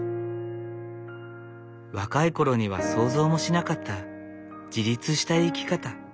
若い頃には想像もしなかった自立した生き方。